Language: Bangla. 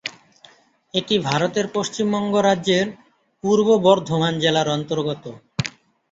এটি ভারতের পশ্চিমবঙ্গ রাজ্যের পূর্ব বর্ধমান জেলার অন্তর্গত।